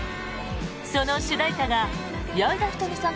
その主題歌が矢井田瞳さん